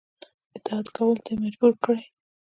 اطاعت کولو ته یې مجبور کړي.